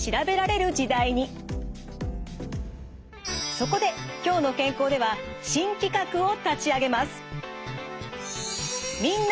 そこで「きょうの健康」では新企画を立ち上げます。